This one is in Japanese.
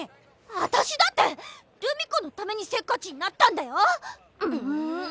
私だって留美子のためにせっかちになったんだよ。